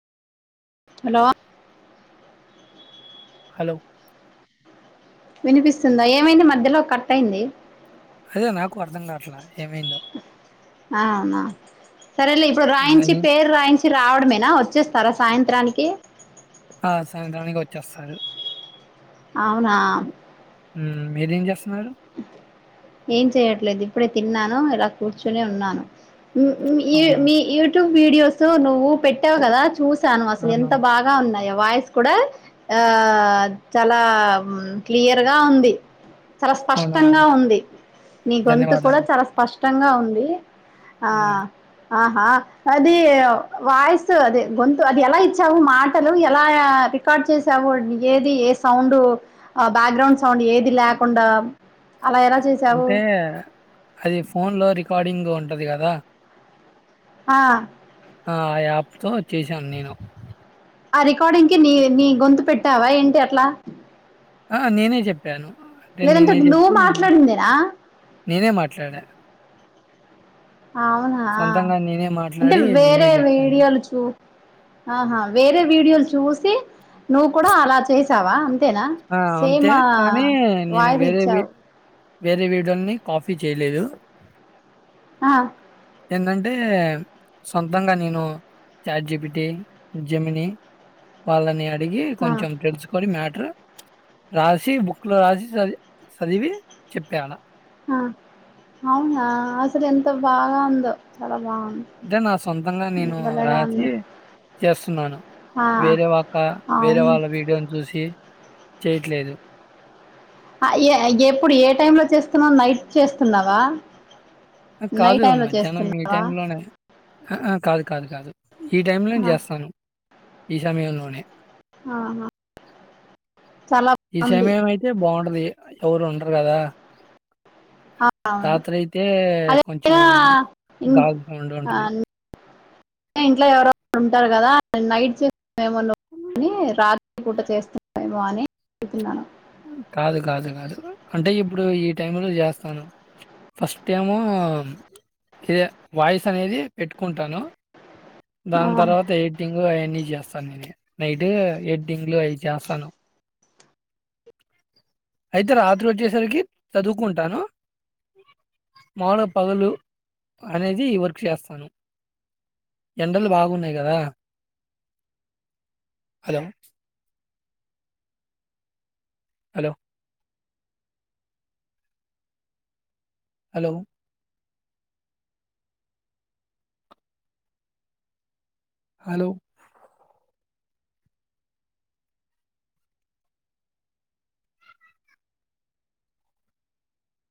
Hello hello వినిపిస్తుందా ఏమైంది మధ్యలో కట్ అయింది అదే నాకు అర్థం కావట్లా ఏమైందో అవునా సరేలే ఇప్పుడు ఆ, రాయించి ఏం- పేరు రాయించి వచ్చి రావడమేనా వచ్చేస్తారా సాయంత్రానికి ఆ సాయంత్రానికి వచ్చేస్తారు అవునా మ్ మీరేం చేస్త ఆరు ఏం చేయట్లేదు ఇప్పుడే తిన్నాను ఇలా కూర్చునే ఉన్నాను ఉమ్ ఉమ్ అవునా మీ యూట్యూబ్ వీడియోస్ నువ్వు పెట్టావు కదా చూసి సాను అసలు అవును ఎంత బాగా ఉన్నాయి వాయిస్ కూడా ఆ చాలా క్లియర్గా ఉంది అవునా స్పష్టంగా ఉంది నీ గొంతు కూడా ధన్యవాదాలు చాలా స్పష్ట ష్టంగా ఉంది ఆ ఆహా అది వాయిస్ అది గొంతు అది ఎలా ఇచ్చావు మాటలు ఎలా రికార్డ్ చేసావు ఏది ఏ సౌండ్ బ్యాక్గ్రౌండ్ సౌండ్ ఏది లేకుండా అలా ఎలా చేసావు అంటే అది ఫోన్ లో రికార్డింగ్ ఉంట టది కదా ఆ ఆ ఆ యాప్ తో చేసాను నేను ఆ రికార్డింగ్ కి నీ నీ గొంతు పెట్టావా ఏంటి అట్లా ఆ నేనే చెప్పాను అంటే లేదంటే నేనే నువ్వు చెప్పి మాట్లాడిందేనా నేనే మాట్లాడా అవునా సొంతంగా నేనే అంటే మాట్లాడి నేనే వేరే చెప్పాను వీడియోలు చూ ఆహా వేరే వీడియోలు చూసి నువ్వు కూడా అలా చేసావా అంతేనా ఆ, సేమ్ అంతే కానీ నేను వాయిస్ వేరే వీ- ఇచ్చావు వేరే వీడియోని కాపి చేయలేదు ఆ ఏంటంటే సొంతంగా నేను చాట్ జిపిటి జెమిని వాళ్ళని అడిగి ఆ కొంచెం తెలుసుకొని మ్యాట్ టార్ రాసి బుక్లో రాసి చది చదివి చెప్పాను ఆ అవునా అసలు ఎంత బాగా ఉందో చాలా బాగుంది అంటే నా సొంతంగా నేను భలేగా రాసి ఉంది చేస్తున్నాను ఆ వేరే ఒక్క వేరే అవును వాళ్ళ వీడియోను చూసి చేయట్లేదు ఏ ఎప్పుడు ఏ టైమ్ లో చేస్తున్నావు నైట్ చేస్తున్నావా నైట్ కాదు టైమ్ లో మధ్యాహ్నం ఈ చేస్తున్నావా టైంలోనే కాదు కాదు కాదు ఈ టైమ్ లోనే ఆ చేస్తాను ఈ సమయంలోనే ఆహా చాలా ఈ బాగుంది సమయం అయితే బాగుంటది ఎవరు ఉండరు కదా ఆ! అవును రాత్రి అయితే కొంచెం అదేనా ఇన్ గాగుగా ఉండి ఉంటది ఆహ్, ఇంట్లో ఎవరో ఒకరు ఉంటారు కదా నైట్స్ మేము అనుకొని రాత్రి పూట చేస్తున్నారెమో అని మీర్ తిన్నారా కాదు కాదు కాదు అంటే ఇప్పుడు ఈ టైమ్ లో చేస్తాను ఫస్ట్ టైము ఇదే వాయిస్ అనేది పెట్టుకుంటాను దాన్ ఆ తర్వాత ఎడిటింగు అవన్నీ జేస్త నైటే ఎడ్టింగ్లు అవి జేస్తాను అయితే రాత్రి వచ్చేసరికి చదువుకుంటాను మారు పగలు అనేది వర్క్ చేస్తాను ఎండలు బాగున్నాయి కదా హలో హలో హలో హలో